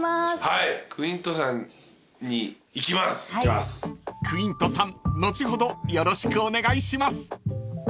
［クイントさん後ほどよろしくお願いします］